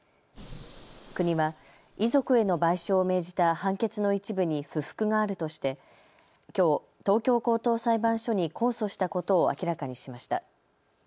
国は遺族への賠償を命じた判決の一部に不服があるとしてきょう、東京高等裁判所に控訴したことを明らかにしました。